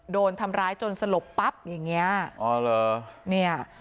โดนทำร้ายจนสลบปั๊บอย่างเงี้ยอ๋อเหรอเนี่ย